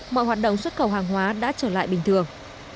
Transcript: mọi hoạt động xuất khẩu hàng hóa đã trở lại bình thường